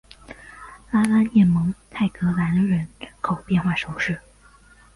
拉拉涅蒙泰格兰人口变化图示